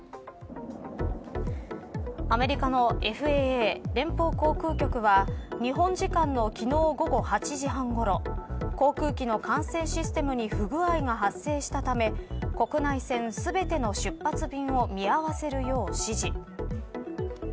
アメリカのＦＡＡ連邦航空局は日本時間の昨日午後８時半ごろ航空機の管制システムに不具合が発生したため国内線全ての出発便を見合わせるよう指示。